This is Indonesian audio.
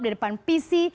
di depan pc